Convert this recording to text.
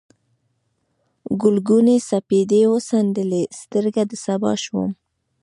ګلګونې سپېدې وڅنډلې، سترګه د سبا شوم